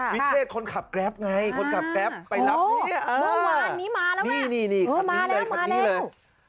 วิเชษคนขับแกรปไงคนขับแกรปไปรับอันนี้มาแล้วนี่ขับนี้เลย